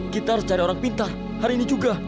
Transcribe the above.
kita harus cari orang pintar hari ini juga